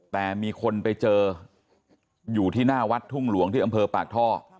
แต่มีคนไปเจออยู่ที่หน้าวัดทุ่งหลวงที่อำเภอปากท่อ